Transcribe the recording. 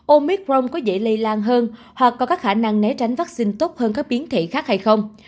omicron có dễ lây lan hơn hoặc có các khả năng né tránh vaccine tốt hơn các biến thể khác hay không